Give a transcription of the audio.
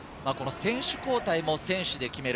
選手交代も選手で決める。